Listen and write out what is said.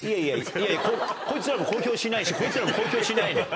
いやいやこいつらも公表しないしこいつらも公表しないのよ。